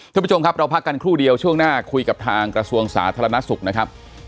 ท่านผู้ชมครับเราพักกันครู่เดียวช่วงหน้าคุยกับทางกระทรวงสาธารณสุขนะครับ